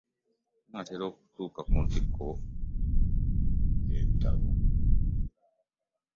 Tunateera okutuuka ku ntuuko y'ekitabo.